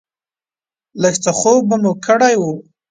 لږ څه خوب مو کړی و.